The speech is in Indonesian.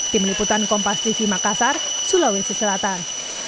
tim liputan kompas tv makassar sulawesi selatan